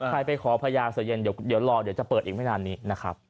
ไปขอพญาเสือเย็นเดี๋ยวรอเดี๋ยวจะเปิดอีกไม่นานนี้นะครับ